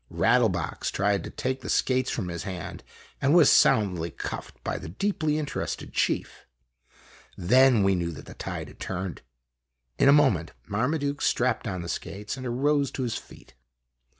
Rattle box tried to take the skates from his hand, and was soundly cuffed by the deeply interested chief. Then we knew that the tide had turned. In a moment Marmaduke strapped on the skates and arose to his feet.